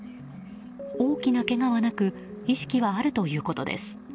大きなけがはなく意識はあるということです。